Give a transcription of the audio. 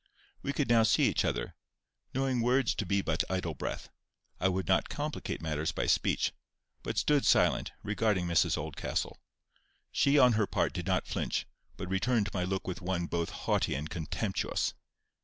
We could now see each other. Knowing words to be but idle breath, I would not complicate matters by speech, but stood silent, regarding Mrs Oldcastle. She on her part did not flinch, but returned my look with one both haughty and contemptuous.